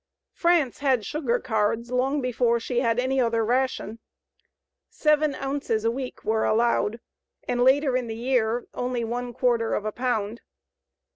France had sugar cards long before she had any other ration. Seven ounces a week were allowed, and later in the year only one quarter of a pound.